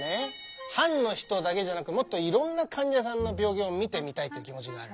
藩の人だけじゃなくもっといろんな患者さんの病気を診てみたいっていう気持ちがある。